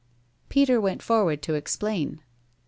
Peter went forward to explain.